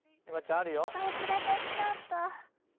忘れてきちゃった。